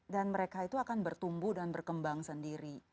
dan mereka itu akan bertumbuh dan berkembang sendiri